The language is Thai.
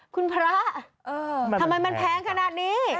คุณพระทำไมมันแพงขนาดนี้